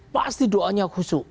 pasti doanya khusus